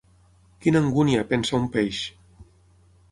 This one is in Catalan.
Quina angúnia, pensa un peix.